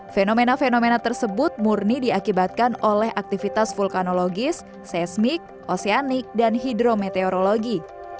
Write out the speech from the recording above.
fenomena fenomena tersebut murni diakibatkan oleh aktivitas vulkanologis seismik oseanik dan hidrometeorologi